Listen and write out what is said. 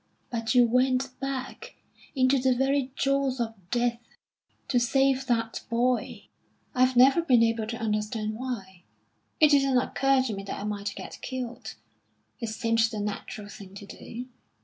"But you went back into the very jaws of death to save that boy." "I've never been able to understand why. It didn't occur to me that I might get killed; it seemed the natural thing to do.